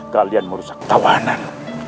kalian merusak tawanan